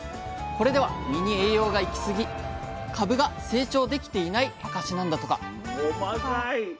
これでは実に栄養が行きすぎ株が成長できていない証しなんだとか。